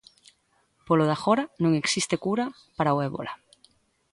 Polo de agora non existe cura para o ebola.